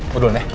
gue duluan ya